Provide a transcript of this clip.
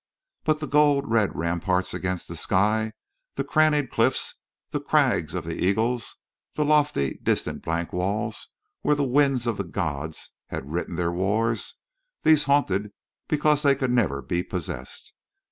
But the gold red ramparts against the sky, the crannied cliffs, the crags of the eagles, the lofty, distant blank walls, where the winds of the gods had written their wars—these haunted because they could never be possessed.